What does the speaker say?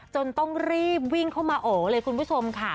จนต้องรีบวิ่งเข้ามาโอ๋เลยคุณผู้ชมค่ะ